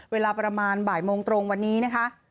เวลาประมาณบ่ายโมงตรงวันนี้นะคะ